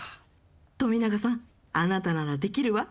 富永さんあなたならできるわ。